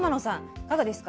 いかがですか？